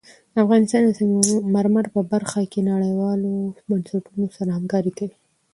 افغانستان د سنگ مرمر په برخه کې نړیوالو بنسټونو سره کار کوي.